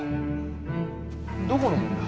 どこのもんだ？